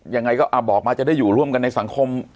อ๋ออย่างงัยก็อ่าบอกมาจะได้อยู่ร่วมจะอยู่ร่วมกันในสังคม